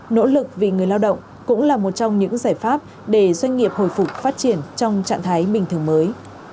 nỗ lực vì người lao động cũng là một trong những giải pháp để doanh nghiệp hồi phục phát triển trong trạng thái bình thường mới